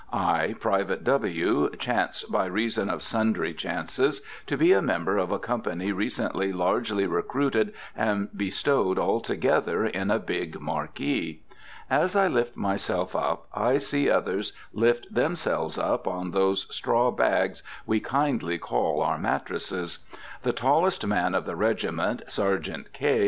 I, Private W., chance, by reason of sundry chances, to be a member of a company recently largely recruited and bestowed all together in a big marquee. As I lift myself up, I see others lift themselves up on those straw bags we kindly call our mattresses. The tallest man of the regiment, Sergeant K.